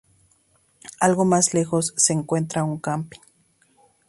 Algo más lejos se encuentra un camping.